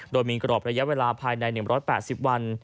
โดยมีกรอบระยะเวลาภายใน๑๘๐วัน